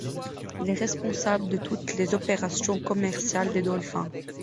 Il est responsable de toutes les opérations commerciales des Dolphins.